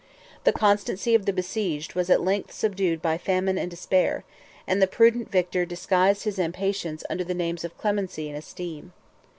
The constancy of the besieged was at length subdued by famine and despair; and the prudent victor disguised his impatience under the names of clemency and esteem.